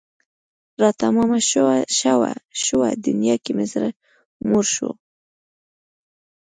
را تمامه شوه دنیا که مې زړه موړ شو